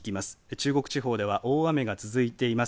中国地方では大雨が続いています。